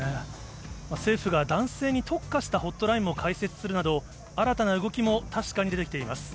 政府が男性に特化したホットラインも開設するなど、新たな動きも確かに出てきています。